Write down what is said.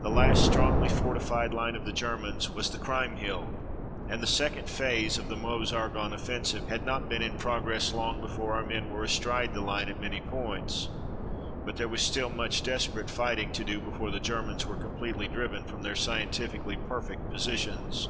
The last strongly fortified line of the Germans was the Kriemhilde, and the second phase of the Meuse Argonne offensive had not been in progress long before our men were astride the line at many points. But there was still much desperate fighting to do before the Germans were completely driven from their scientifically perfect positions.